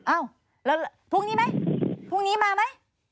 อ้าวแล้วพรุ่งนี้ไหมพรุ่งนี้มาไหม